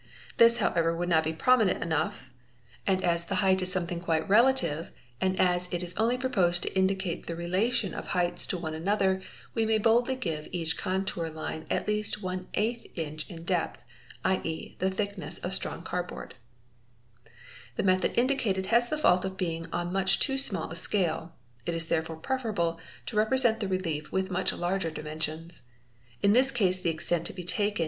This however would not be prominent enough, and as the height is something quite relative and as it is only proposed to indi 5 adh ARAL He RTA CN Mi 1 AS i aeiaeres seinen encima ba 3 . LS ARAN af cate the relation of heights to one another we may boldly give each contour ~ line at least ¥ inch of depth, i.c., the thickness of strong card board. | The method indicated has the fault of being on much too small a seale, it is therefore preferable to represent the relief with much larger dimensions. In this case the extent to be taken.